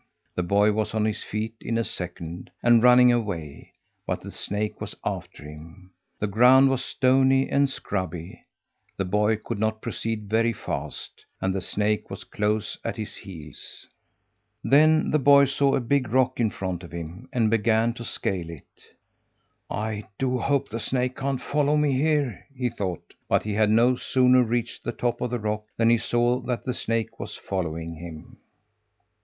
The boy was on his feet in a second and running away, but the snake was after him! The ground was stony and scrubby; the boy could not proceed very fast; and the snake was close at his heels. Then the boy saw a big rock in front of him, and began to scale it. "I do hope the snake can't follow me here!" he thought, but he had no sooner reached the top of the rock than he saw that the snake was following him.